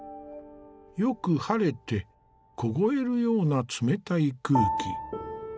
よく晴れて凍えるような冷たい空気。